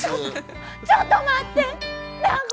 ちょっと待って南光。